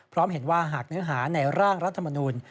พร้อมเห็นว่าหากเนื้อหาในร่างรัฐมนูล